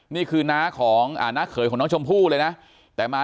นี่คือน้าของน้าเขยของน้องชมพู่เลยนะแต่มา